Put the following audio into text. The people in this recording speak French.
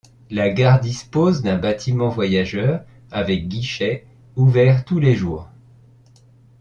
La gare dispose dispose d'un bâtiment voyageurs, avec guichets, ouvert tous les jours.